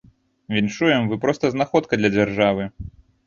Віншуем, вы проста знаходка для дзяржавы.